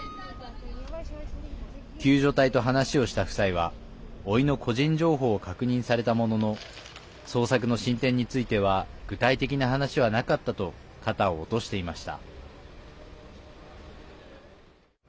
救助隊と話をした夫妻は、おいの個人情報を確認されたものの捜索の進展については具体的な話はなかったと肩を落としていました。